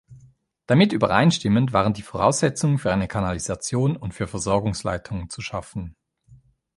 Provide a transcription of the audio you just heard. Damit übereinstimmend waren die Voraussetzungen für eine Kanalisation und für Versorgungsleitungen zu schaffen.